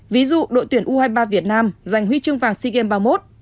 ví dụ đội tuyển u hai mươi ba việt nam giành huy chương vàng sea games ba mươi một